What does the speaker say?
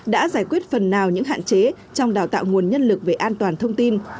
đã giải quyết phần nào những hạn chế trong đào tạo nguồn nhân lực về an toàn thông tin